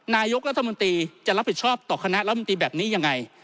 นายกรัฐมนตรีจะรับผิดชอบต่อคณะรัฐมนตรีแบบนี้ยังไง